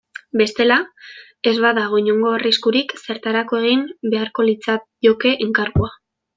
Bestela, ez badago inongo arriskurik zertarako egin beharko litzaioke enkargua.